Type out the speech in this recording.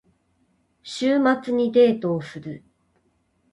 週末にデートをする。